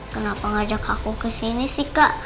kenapa ngajak aku kesini sih kak